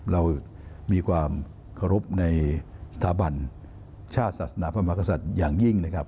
เรามีความเคารพในสถาบันชาติศาสนาพระมหากษัตริย์อย่างยิ่งนะครับ